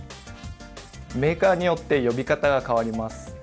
メーカーによって呼び方が変わります。